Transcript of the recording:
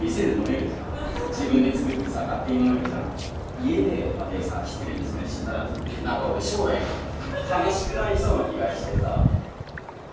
家でまでさ一人でそれしてたらなんか俺将来悲しくなりそうな気がしてさ。